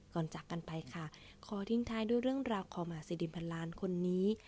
ก่อนจากกันไปขอยอดถึงทายด้วยเรื่องดราวขอหมาซีดิมพันลานคนนี้